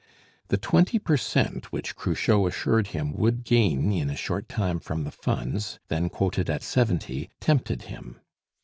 The twenty per cent which Cruchot assured him would gain in a short time from the Funds, then quoted at seventy, tempted him.